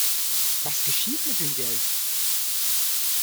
Was geschieht mit dem Geld?